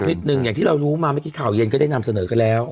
คลิปหนึ่งอย่างที่เรารู้มาเมื่อกี้ข่าวเย็นก็ได้นำเสนอกันแล้ว